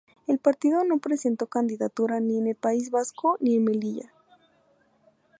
El partido no presentó candidatura ni en el País Vasco ni en Melilla.